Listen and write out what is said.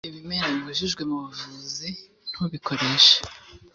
ibimera bibujijwe mu buvuzi ntubikoreshe